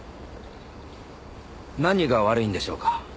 何が悪いんでしょうか？